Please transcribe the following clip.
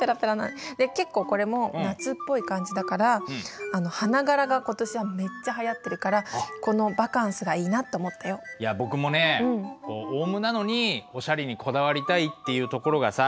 結構これも夏っぽい感じだから花柄が今年はめっちゃ流行ってるからこのいや僕もねオウムなのにおしゃれにこだわりたいっていうところがさ